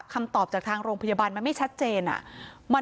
คำตอบจากทางโรงพยาบาลมันไม่ชัดเจน